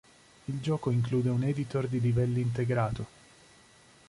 Il gioco include un editor di livelli integrato.